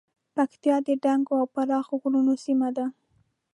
پکتیا د دنګو او پراخو غرونو سیمه ده